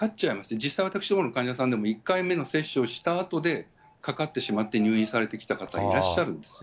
実際私どもの患者さんでも１回目の接種をしたあとでかかってしまって、入院されてきた方、いらっしゃるんです。